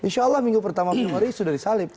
insya allah minggu pertama februari sudah disalib